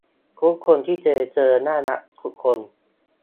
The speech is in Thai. ทุกคนที่เคยเจอน่ารักทุกคน